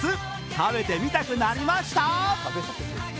食べてみたくなりました？